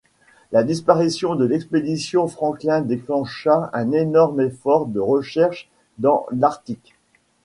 La disparition de l'expédition Franklin déclencha un énorme effort de recherche dans l'Arctique.